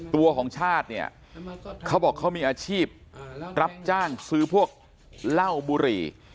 ตัวของชาติเนี่ยเขาบอกเขามีอาชีพรับจ้างซื้อพวกเหล้าบุหรี่